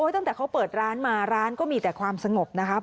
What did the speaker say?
ตั้งแต่เขาเปิดร้านมาร้านก็มีแต่ความสงบนะครับ